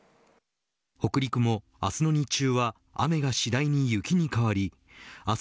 北陸も明日の日中は雨が次第に雪に変わり明日